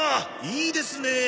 いいですねえ。